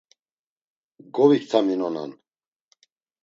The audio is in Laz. Goviktaminonan.